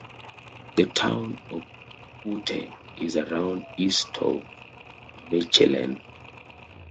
The town of Putte is around east of Mechelen.